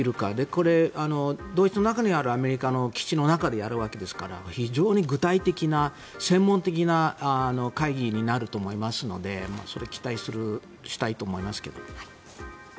これはドイツの中にあるアメリカの基地の中でやるわけですから非常に具体的な専門的な会議になると思いますのでそれを期待したいと思います。